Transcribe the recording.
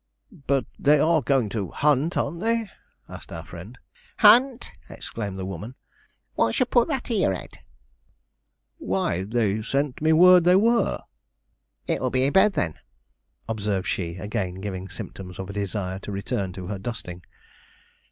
'But they are going to hunt, aren't they?' asked our friend. 'Hunt!' exclaimed the woman; 'what should put that i' your head.' 'Why, they sent me word they were.' 'It'll be i' bed, then,' observed she, again giving symptoms of a desire to return to her dusting.